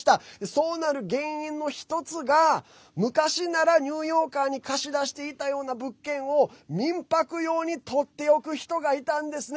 そうなる原因の１つが昔ならニューヨーカーに貸し出していたような物件を民泊用にとっておく人がいたんですね。